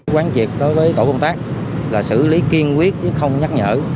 quán triệt đối với tổ công tác là xử lý kiên quyết chứ không nhắc nhở